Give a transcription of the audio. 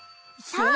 そう！